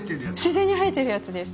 自然に生えてるやつです。